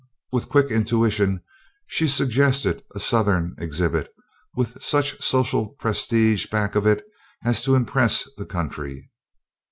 With quick intuition she suggested a Southern exhibit with such social prestige back of it as to impress the country.